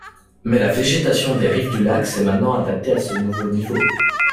Mais la végétation des rives du lac s'est maintenant adapté à ce nouveau niveau.